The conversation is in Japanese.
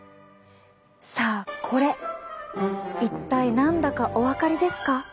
さあこれ一体何だかお分かりですか？